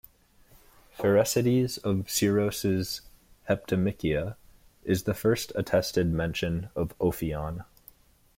Pherecydes of Syros's "Heptamychia" is the first attested mention of Ophion.